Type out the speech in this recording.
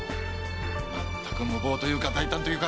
全く無謀というか大胆というか。